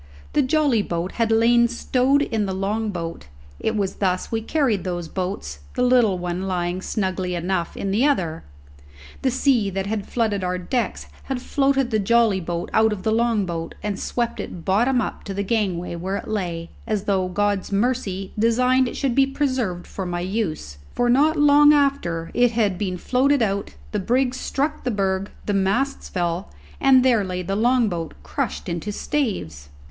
The jolly boat had lain stowed in the long boat; it was thus we carried those boats, the little one lying snugly enough in the other. The sea that had flooded our decks had floated the jolly boat out of the long boat, and swept it bottom up to the gangway where it lay, as though God's mercy designed it should be preserved for my use; for, not long after it had been floated out, the brig struck the berg, the masts fell and there lay the long boat crushed into staves!